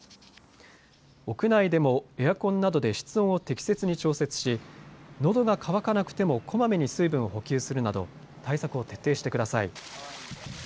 屋内でもエアコンなどで室温を適切に調節しのどが渇かなくてもこまめに水分を補給するなど対策を徹底してください。